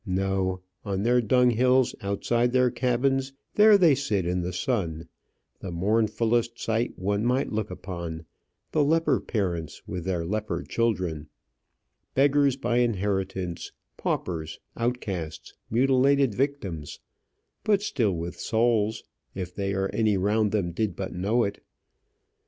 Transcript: No; on their dunghills outside their cabins there they sit in the sun, the mournfullest sight one might look on, the leper parents with their leper children, beggars by inheritance, paupers, outcasts, mutilated victims, but still with souls, if they or any round them did but know it.